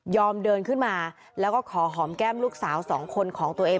เดินขึ้นมาแล้วก็ขอหอมแก้มลูกสาวสองคนของตัวเอง